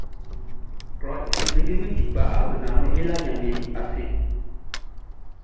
Klɔʼn i su ninngeʼm be ti kpa afuɛ nga nun, e la Ɲanmiɛn ase.